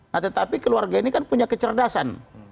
nah tetapi keluarga ini kan punya kecerdasan